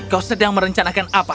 kau sedang merencanakan apa